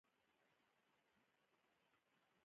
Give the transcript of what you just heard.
غږېږه